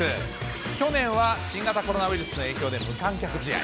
去年は新型コロナウイルスの影響で無観客試合。